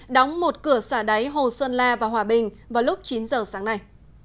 đóng một cửa xả đáy hồ sơn la và hòa bình vào lúc chín giờ sáng nay